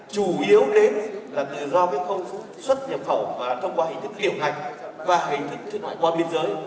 chủ yếu đến là từ do không xuất nhập khẩu và thông qua hình thức tiểu ngạch và hình thức thiết ngoại qua biên giới